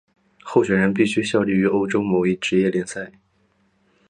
候选人必须效力于欧洲某一职业联赛。